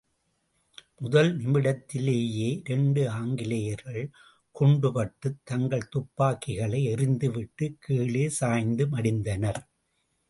முதல் நிமிடத்திலேயே இரண்டு ஆங்கிலேயர்கள் குண்டுபட்டுத் தங்கள் துப்பாக்கிகளை எறிந்து விட்டுக் கீழே சாய்ந்து மடிந்தனர்.